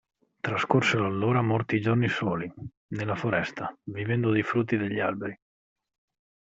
Trascorsero allora molti giorni soli, nella foresta, vivendo dei frutti degli alberi.